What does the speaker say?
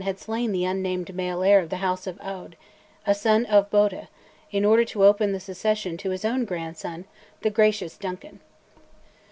had slain the unnamed male heir of the House of Aodh, a son of Boedhe, in order to open the succession to his own grandson, "the gracious Duncan."